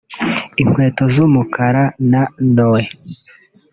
inkweto z’umukara na ‘noeud’